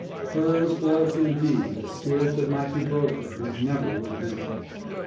Hers was, indeed, a spirit that might be broken, but never would bend.